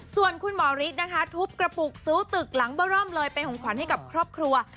ส่วนคุณหมอฤทธิ์นะคะทุบกระปุกซื้อตึกหลังเบอร์เริ่มเลยเป็นของขวัญให้กับครอบครัว